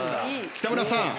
北村さん